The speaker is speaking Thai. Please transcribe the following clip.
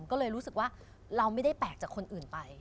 ก็เลยรู้สึกว่าเราไม่ได้แปลกจากคนอื่นไป